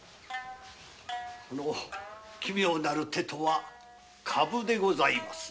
その「奇妙な手」とは「株」でございます。